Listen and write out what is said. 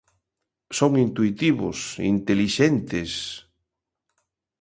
Son intuitivos, intelixentes...